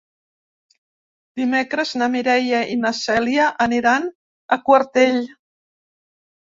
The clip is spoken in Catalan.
Dimecres na Mireia i na Cèlia aniran a Quartell.